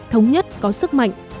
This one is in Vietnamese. thống nhất có sức mạnh